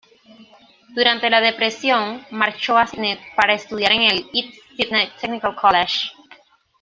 Durante la depresión, marchó a Sídney para estudiar en el East Sydney Technical College.